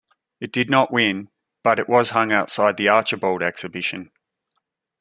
It did not win, but it was hung outside the Archibald exhibition.